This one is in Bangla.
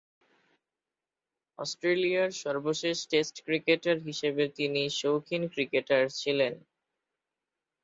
অস্ট্রেলিয়ার সর্বশেষ টেস্ট ক্রিকেটার হিসেবে তিনি শৌখিন ক্রিকেটার ছিলেন।